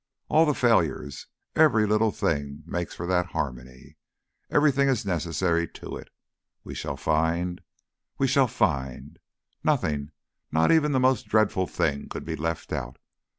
All the failures every little thing makes for that harmony. Everything is necessary to it, we shall find. We shall find. Nothing, not even the most dreadful thing, could be left out.